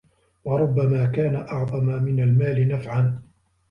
وَرُبَّمَا كَانَ أَعْظَمَ مِنْ الْمَالِ نَفْعًا